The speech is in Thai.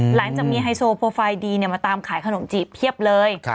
หลังจากมีไฮโซโปรไฟล์ดีมาตามขายขนมจีบเพียบเลย